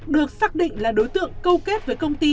được xác định là đối tượng câu kết với công ty